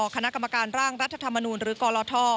คณะกรรมการร่างรัฐธรรมนูลหรือกรท